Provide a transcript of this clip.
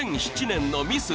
２００７年のミス